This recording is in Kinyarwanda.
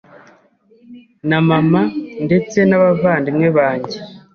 na mama ndetse n’abavandimwe banjye